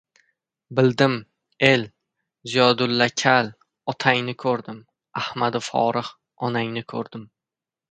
Bildim, el, Ziyodulla kal, otangni ko‘rdim — ahmadi forig‘, onangni ko‘rdim